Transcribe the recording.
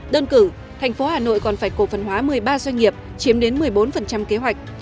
đơn cử thành phố hà nội còn phải cổ phần hóa một mươi ba doanh nghiệp chiếm đến một mươi bốn kế hoạch